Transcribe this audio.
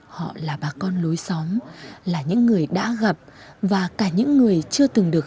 họ là bà con lối xóm là những người đã gặp và cả những người chưa từng được